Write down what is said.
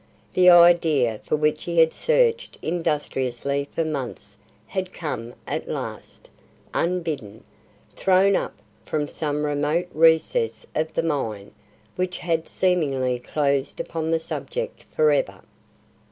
The idea for which he had searched industriously for months had come at last, unbidden; thrown up from some remote recess of the mind which had seemingly closed upon the subject forever.